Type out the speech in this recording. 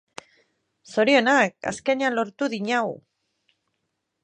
Zorionak! Azkenean lortu dinagu!